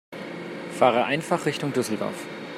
Fahre einfach Richtung Düsseldorf